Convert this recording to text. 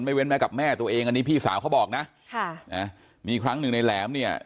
เว้นแม้กับแม่ตัวเองอันนี้พี่สาวเขาบอกนะค่ะนะมีครั้งหนึ่งในแหลมเนี่ย